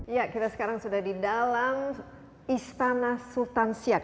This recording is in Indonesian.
ya kita sekarang sudah di dalam istana sultan siak